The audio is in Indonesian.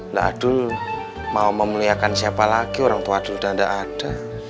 lah dul mau memuliakan siapa lagi orang tua dulu sudah nggak ada